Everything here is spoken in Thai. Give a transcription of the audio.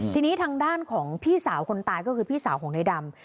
ทีนี้ทางด้านของพี่สาวคนตายก็คือพี่สาวของนายดำ